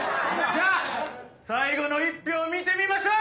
・じゃあ最後の１票見てみましょう！